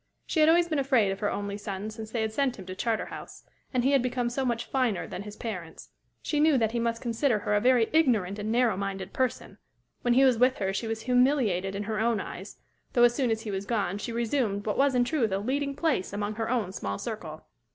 She had always been afraid of her only son since they had sent him to Charterhouse, and he had become so much "finer" than his parents. She knew that he must consider her a very ignorant and narrow minded person; when he was with her she was humiliated in her own eyes, though as soon as he was gone she resumed what was in truth a leading place among her own small circle.